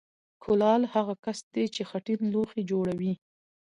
کولال هغه کس دی چې خټین لوښي جوړوي